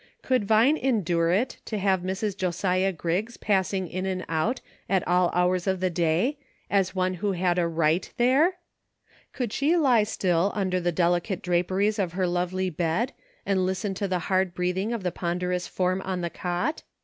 Could Vine endure it to have Mrs. Josiah Griggs passing in and out at all hours of the day, as one who had a right there ? Could she lie still under the delicate draperies of her lovely bed, and listen to the hard breathing of the ponder ous form on the cot